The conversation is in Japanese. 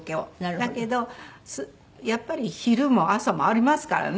だけどやっぱり昼も朝もありますからね。